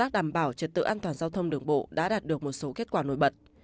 đảm bảo trật tự an toàn giao thông đường bộ đã đạt được một số kết quả nổi bật